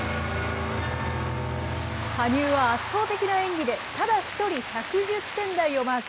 羽生は圧倒的な演技で、ただ一人、１１０点台をマーク。